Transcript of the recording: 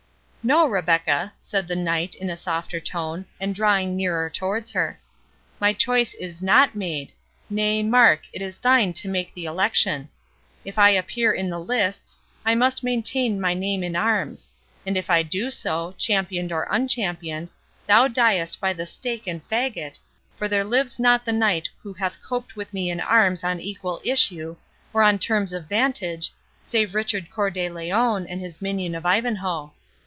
"No, Rebecca," said the knight, in a softer tone, and drawing nearer towards her; "my choice is NOT made—nay, mark, it is thine to make the election. If I appear in the lists, I must maintain my name in arms; and if I do so, championed or unchampioned, thou diest by the stake and faggot, for there lives not the knight who hath coped with me in arms on equal issue, or on terms of vantage, save Richard Cœur de Lion, and his minion of Ivanhoe.